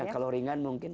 kalau ringan mungkin